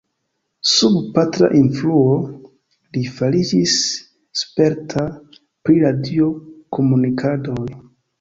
Sub patra influo, li fariĝis sperta pri radio-komunikadoj.